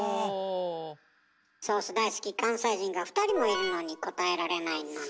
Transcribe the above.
ソース大好き関西人が２人もいるのに答えられないなんて。